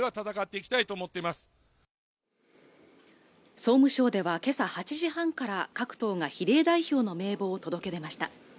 総務省ではけさ８時半から各党が比例代表の名簿を届け出ました